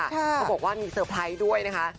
เขาบอกว่ามีเซอร์ไพรส์ด้วยนะคะ